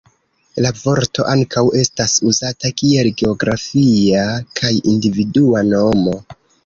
La vorto ankaŭ estas uzata kiel geografia kaj individua nomo.